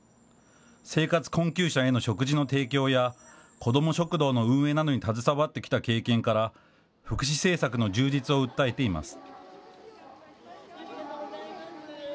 生活困窮者への食事の提供や子ども食堂の運営などに携わってきた経験から、福祉政策の充実を訴えています。